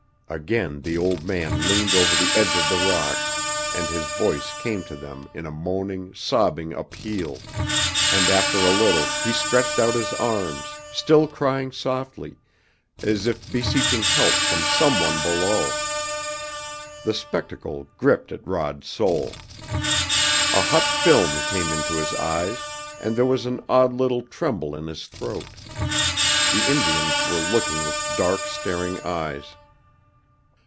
Again the old man leaned over the edge of the rock, and his voice came to them in a moaning, sobbing appeal, and after a little he stretched out his arms, still crying softly, as if beseeching help from some one below. The spectacle gripped at Rod's soul. A hot film came into his eyes and there was an odd little tremble in his throat. The Indians were looking with dark, staring eyes.